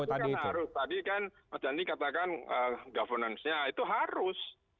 iya iya hati hati kan harus tadi kan seperti ini katakan governance nya itu harus